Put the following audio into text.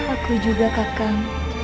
aku juga kakak